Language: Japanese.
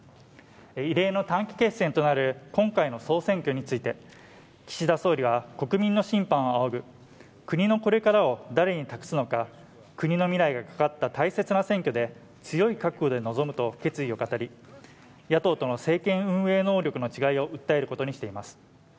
異例の短期決戦となる今回の総選挙について岸田総理は国民の審判をあおぐ国のこれからを誰に託すのか国の未来が懸かった大切な選挙で強い覚悟で臨むと決意を語り野党との政権運営能力の違いを訴えることにしています